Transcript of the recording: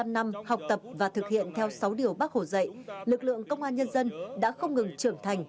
một mươi năm năm học tập và thực hiện theo sáu điều bác hồ dạy lực lượng công an nhân dân đã không ngừng trưởng thành